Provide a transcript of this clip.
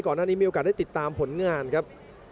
หน้านี้มีโอกาสได้ติดตามผลงานครับ